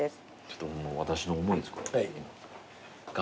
私の思いです。